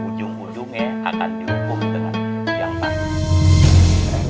ujung ujungnya akan dihubung dengan yang mantap